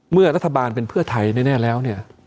เมื่อรัฐบาลเป็นเพื่อไทยแน่แล้วเนี่ย